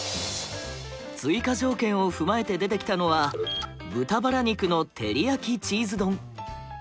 追加条件を踏まえて出てきたのは豚バラ肉の照り焼きチーズ丼。